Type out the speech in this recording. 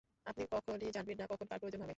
আপনি কখনই জানবেন না কখন কার প্রয়োজন হবে।